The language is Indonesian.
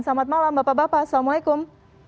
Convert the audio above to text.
selamat malam bapak bapak assalamualaikum